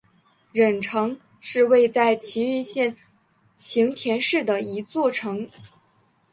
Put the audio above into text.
忍城是位在崎玉县行田市的一座城。